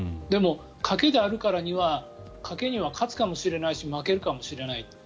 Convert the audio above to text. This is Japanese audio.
でも、賭けであるからには賭けには勝つかもしれないし負けるかもしれない。